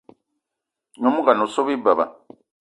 Nyom ngón o so bi beba.